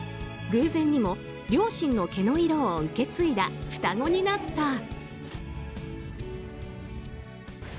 偶然にも両親の毛の色を受け継いだ双子になった。